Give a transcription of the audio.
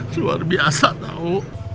luar biasa tahu